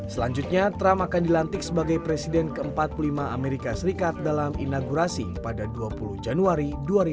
selanjutnya trump akan dilantik sebagai presiden ke empat puluh lima amerika serikat dalam inaugurasi pada dua puluh januari dua ribu dua puluh